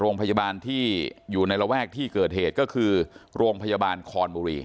โรงพยาบาลที่อยู่ในระแวกที่เกิดเหตุก็คือโรงพยาบาลคอนบุรี